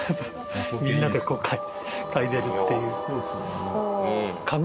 みんなでこう嗅いでるっていう。